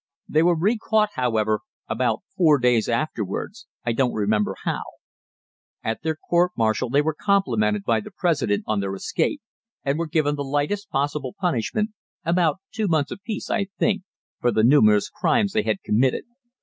They were recaught, however, about four days afterwards, I don't remember how. At their court martial they were complimented by the President on their escape, and were given the lightest possible punishment (about two months apiece, I think) for the numerous crimes they had committed.